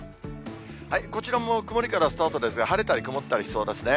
こちらも曇りからスタートですが、晴れたり曇ったりしそうですね。